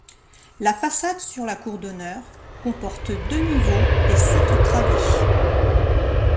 La façade sur la cour d'honneur comporte deux niveaux et sept travées.